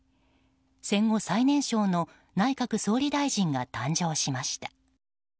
戦後最年少の内閣総理大臣が誕生しました。